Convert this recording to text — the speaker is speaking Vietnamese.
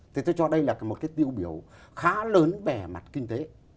thế tôi cho đây là một cái tiêu biểu khá lớn bẻ mặt kinh tế